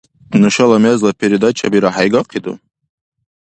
Нушала мезла передачабира хӀейгахъиду?